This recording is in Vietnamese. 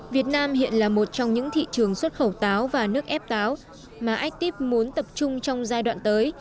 việt nam hiện là một trong những thị trường xuất khẩu táo và nước ép táo mà akip muốn tập trung trong giai đoạn tới